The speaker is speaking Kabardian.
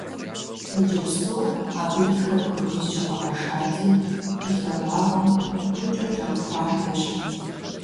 Иджыпсту абы и тхыр апхуэдизкӀэ къэгъэшати, и лъагагъым тӀукӀэ кӀэрыхуам ещхьт.